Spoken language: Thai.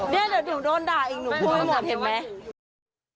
เดี๋ยวถึงโดนด่าอีกหนูพูดให้หมดเห็นไหม